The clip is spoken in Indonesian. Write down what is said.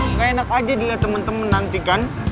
nggak enak aja dilihat temen temen nanti kan